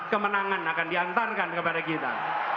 kemenangan akan diantarkan kepada kita